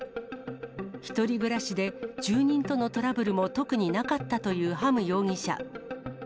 １人暮らしで、住人とのトラブルも特になかったというハム容疑者。